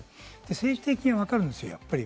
政治的にわかるんですよ。